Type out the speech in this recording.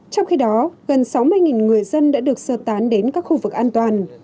trong khi đó gần sáu mươi người dân đã được sơ tán đến các khu vực an toàn